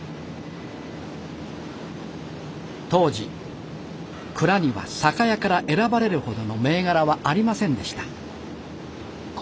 当時蔵には酒屋から選ばれるほどの銘柄はありませんでした。